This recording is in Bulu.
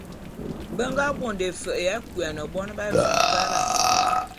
Be nga bonde fe'e ya kuane bon b'Afrikara.